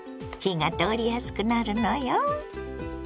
火が通りやすくなるのよ。